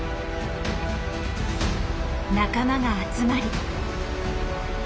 仲間が集まり。